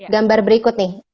gambar berikut nih